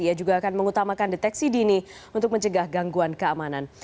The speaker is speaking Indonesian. ia juga akan mengutamakan deteksi dini untuk mencegah gangguan keamanan